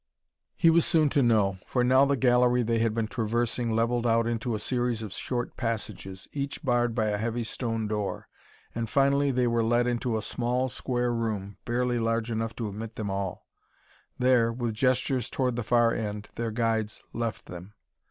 He was soon to know, for now the gallery they had been traversing levelled out into a series of short passages, each barred by a heavy stone door, and finally they were led into a small, square room, barely large enough to admit them all. There, with gestures toward the far end, their guides left them.